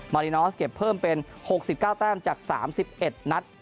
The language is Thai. รินอสเก็บเพิ่มเป็น๖๙แต้มจาก๓๑นัด